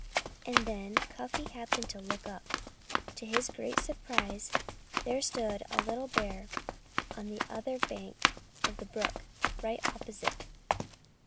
And then Cuffy happened to look up. To his great surprise, there stood a little bear on the other bank of the brook, right opposite.